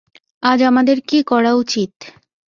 আজ আমাদের কী করা উচিত?